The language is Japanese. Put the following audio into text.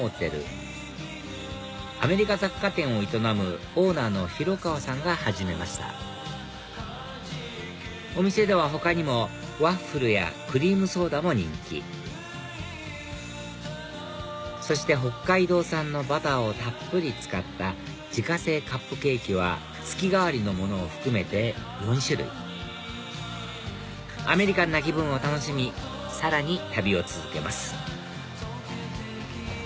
アメリカ雑貨店を営むオーナーの広川さんが始めましたお店では他にもワッフルやクリームソーダも人気そして北海道産のバターをたっぷり使った自家製カップケーキは月替わりのものを含めて４種類アメリカンな気分を楽しみさらに旅を続けます